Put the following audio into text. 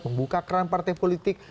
membuka keran partai politik